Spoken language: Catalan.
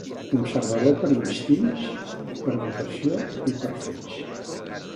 Conservador per instints, per educació i per fets